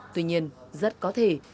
tuy nhiên rất có thể